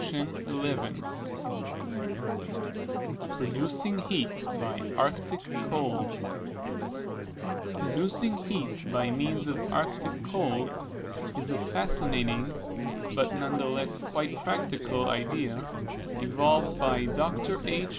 PRODUCING HEAT BY ARCTIC COLD Producing heat by means of Arctic cold is a fantastic but none the less quite practicable idea evolved by Dr. H.